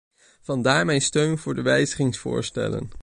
Vandaar mijn steun voor de wijzigingsvoorstellen.